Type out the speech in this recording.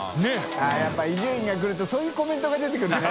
笋辰伊集院が来るとそういうコメントが出てくるね。